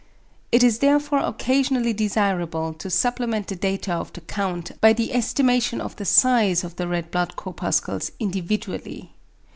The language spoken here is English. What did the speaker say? It is therefore occasionally desirable to supplement the data of the count by THE ESTIMATION OF THE SIZE OF THE RED BLOOD CORPUSCLES INDIVIDUALLY.